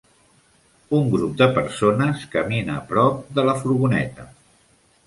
Un grup de persones camina prop de la furgoneta.